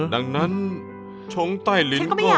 ดังนั้นชงใต้ลิ้นก็